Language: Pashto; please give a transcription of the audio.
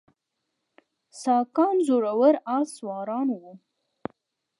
ساکان زړور آس سواران وو